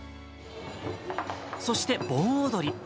そして盆踊り。